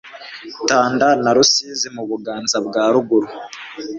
Tanda na Ruzizi mu Buganza bwa ruguru